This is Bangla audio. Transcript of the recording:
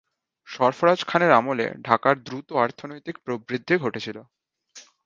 সরফরাজ খানের আমলে, ঢাকার দ্রুত অর্থনৈতিক প্রবৃদ্ধি ঘটেছিল।